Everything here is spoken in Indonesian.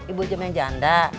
ibu ijung yang janda